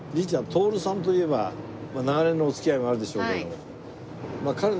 徹さんといえば長年のお付き合いもあるでしょうけれども。